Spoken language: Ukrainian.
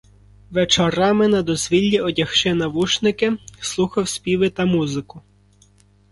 Вечорами, на дозвіллі, одягши навушники, слухав співи та музику.